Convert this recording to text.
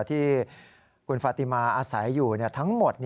ที่คุณฟาติมาอาศัยอยู่ทั้งหมด